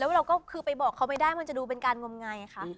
แล้วเราก็คือไปบอกเขาไม่ได้มันจะดูเป็นการงมงายคะ